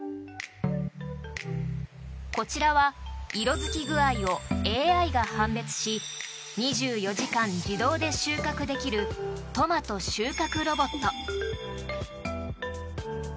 こちらは色付き具合をＡＩが判別し２４時間自動で収穫できるトマト収穫ロボット。